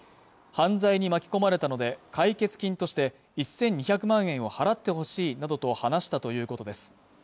犯罪に巻き込まれたので解決金として１２００万円を払ってほしいなどと話したということです